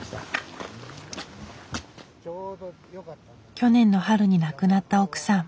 去年の春に亡くなった奥さん。